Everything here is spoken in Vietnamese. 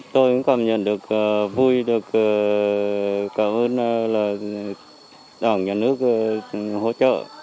tôi cũng cảm nhận được vui được cảm ơn đảng nhà nước hỗ trợ